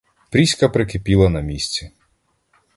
Пріська прикипіла на місці.